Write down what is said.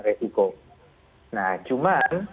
resiko nah cuman